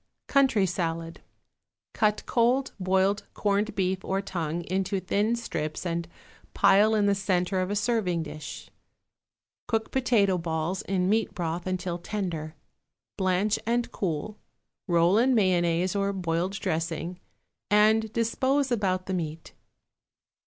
=Country Salad.= (See cut facing page 86.) Cut cold boiled corned beef or tongue into thin strips and pile in the centre of a serving dish. Cook potato balls in meat broth until tender; blanch and cool, roll in mayonnaise or boiled dressing, and dispose about the meat.